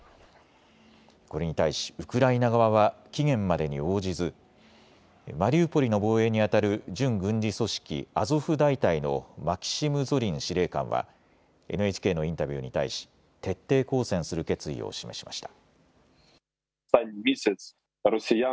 これに対しウクライナ側は期限までに応じずマリウポリの防衛にあたる準軍事組織、アゾフ大隊のマキシム・ゾリン司令官はＮＨＫのインタビューに対し徹底抗戦する決意を示しました。